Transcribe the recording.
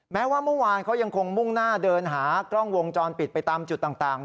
แม้ว่าเมื่อวานเขายังคงมุ่งหน้าเดินหากล้องวงจรปิดไปตามจุดต่าง